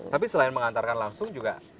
tapi selain mengantarkan langsung juga